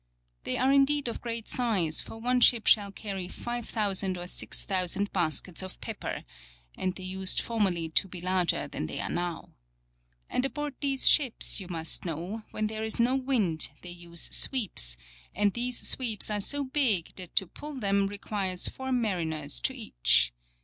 They are indeed of great size, for one ship shall carry 5000 or 6000 baskets of pepper [and they used formerly to be larger than they are now]. And aboard these ships, you must know, when there is no wind they use sweeps, and these sweeps are so big that to pull them requires four mariners to each.